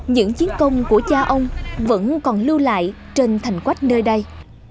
những chiến công của cha ông vẫn còn lưu lại trên thành quách nơi đây